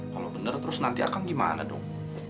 kalau bener terus nanti akan gimana dong